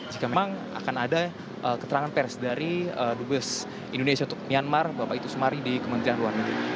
jika memang akan ada keterangan pers dari dubes indonesia untuk myanmar bapak itu sumari di kementerian luar negeri